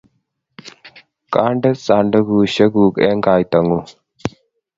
kande sandukushe kuuk eng kaita ngung.